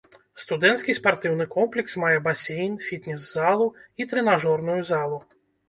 Студэнцкі спартыўны комплекс мае басейн, фітнес-залу і трэнажорную залу.